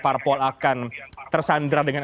parpol akan tersandra dengan